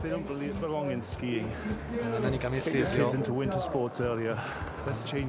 何かメッセージを。